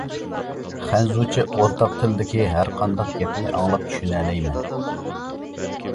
خەنزۇچە ئورتاق تىلدىكى ھەرقانداق گەپنى ئاڭلاپ چۈشىنەلەيمەن.